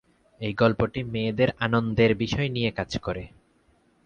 এই গল্পটি মেয়েদের আনন্দের বিষয় নিয়ে কাজ করে।